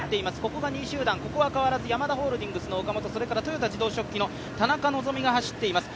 ここが２位集団で、ここは終わらずヤマダホールディングスの岡本、それから豊田自動織機の田中希実が走っています。